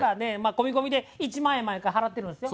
込み込みで１万円毎回払ってるんですよ。